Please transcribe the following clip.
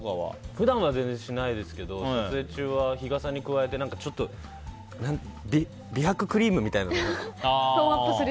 普段は全然しないですけど撮影中は日傘に加えて美白クリームみたいなのとか。